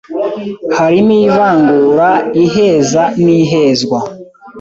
harimo ivangura, iheza n’ihezwa